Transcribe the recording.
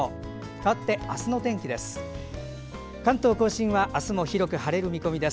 かわって明日の天気です。